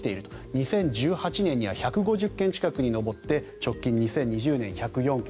２０１８年には１５０件近くに上って直近２０２０年は１０４件。